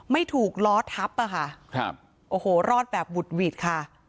ไม่ถูกล้อทับอ่ะค่ะครับโอ้โหรอดแบบบุดหวิดค่ะ